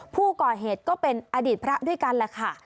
ผู้ก่อเหตุก็เป็นอดีตพระด้วยกันแหละค่ะ